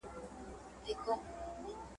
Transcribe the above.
تر پخوا به يې په لوړ اواز خوركى سو !.